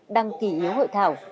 đăng kỷ yếu hội thảo